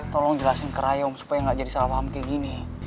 tolong jelasin ke raya om supaya gak jadi salah paham kayak gini